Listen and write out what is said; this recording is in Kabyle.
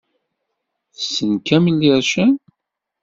Tessen Kamel Ircen?